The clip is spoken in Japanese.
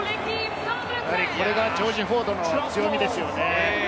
これがジョージ・フォードの強みですよね。